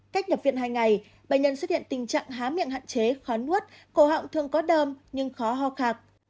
cách nhập viện hai ngày bệnh nhân xuất hiện tình trạng há miệng hạn chế khó nuốt cổ họng thường có đơm nhưng khó ho khạc